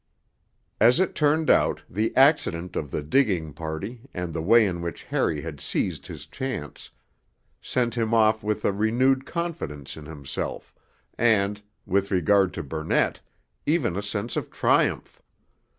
As it turned out, the accident of the digging party, and the way in which Harry had seized his chance, sent him off with a renewed confidence in himself and, with regard to Burnett, even a sense of triumph.